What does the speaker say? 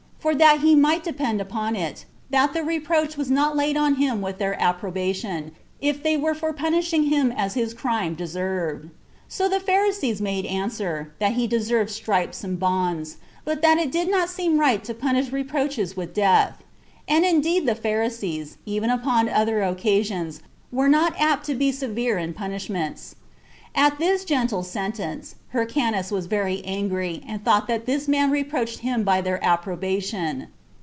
for that he might depend upon it, that the reproach was not laid on him with their approbation, if they were for punishing him as his crime deserved. So the Pharisees made answer, that he deserved stripes and bonds, but that it did not seem right to punish reproaches with death. And indeed the Pharisees, even upon other occasions, are not apt to be severe in punishments. At this gentle sentence, Hyrcanus was very angry, and thought that this man reproached him by their approbation.